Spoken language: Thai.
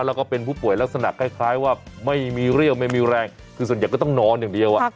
แล้วก็เป็นผู้ป่วยลักษณะคล้ายว่าไม่มีเรี่ยวไม่มีแรงคือส่วนใหญ่ก็ต้องนอนอย่างเดียว